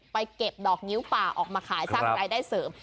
เก็บดอกงิ้วป่าออกมาขายสร้างรายได้เสริม